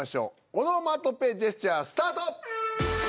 オノマトペジェスチャースタート！